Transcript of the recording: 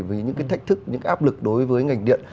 vì những cái thách thức những cái áp lực đối với ngành điện